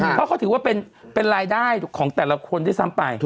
เพราะเขาถือว่าเป็นรายได้ของแต่ละคนด้วยซ้ำไป